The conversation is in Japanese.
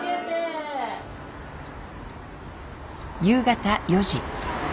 夕方４時。